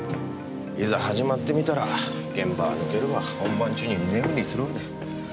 いざ始まってみたら現場は抜けるわ本番中に居眠りするわで。